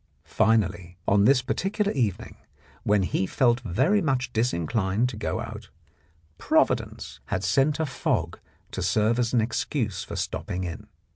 Finally, on this particular evening, when he felt very much disinclined to go out, Providence had sent a fog to serve as an excuse for stopping in.